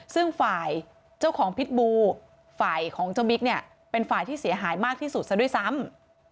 ซึ่งฝ่ายเจ้าของพิษบูฝ่ายของเจ้าบิ๊กเนี่ยเป็นฝ่ายที่เสียหายมากที่สุดซะด้วยซ้ำ